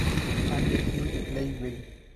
Handy y "Lead Belly".